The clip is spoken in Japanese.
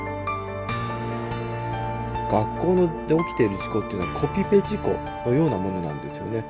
学校で起きてる事故っていうのはコピペ事故のようなものなんですよね。